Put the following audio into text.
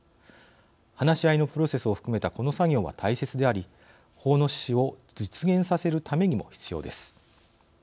話し合いのプロセスを含めたこの作業は大切であり法の趣旨を実現させるためにも必要です。